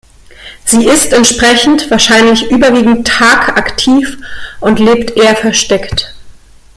Sie ist entsprechend wahrscheinlich überwiegend tagaktiv und lebt eher versteckt.